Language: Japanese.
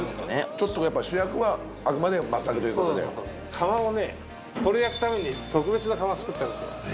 ちょっとやっぱ主役はあくまで松茸ということでこれ焼くために特別な窯作ったんですよ